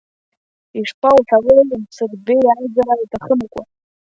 Ишԥоуҳәауеи, Мсырбеи, аизара аҭахымкәа!